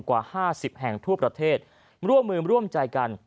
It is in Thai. กว่า๕๐แห่งทั่วประเทศร่วมมือร่วมใจกัน